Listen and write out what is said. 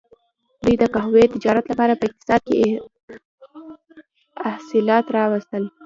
دوی د قهوې تجارت لپاره په اقتصاد کې اصلاحات راوستل.